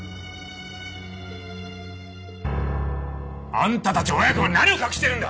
あんたたち親子は何を隠しているんだ？